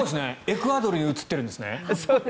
エクアドルに映っているんですね！